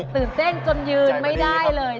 ตื่นเต้นจนยืนไม่ได้เลย